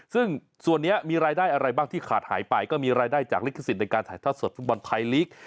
ซึ่งส่วนนี้มีรายได้อะไรบ้างที่ขาดหายไปก็มีรายได้จากลิขสิทธิ์ในการถ่ายทอดสดฟุตบอลไทยลีก